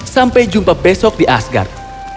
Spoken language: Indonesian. sampai jumpa besok di asgard